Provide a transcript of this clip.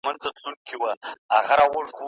ایا د نويو شیانو زده کول د ذهن وړتیا زیاتوي؟